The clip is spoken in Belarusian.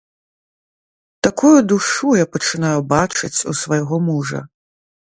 Такую душу я пачынаю бачыць у свайго мужа.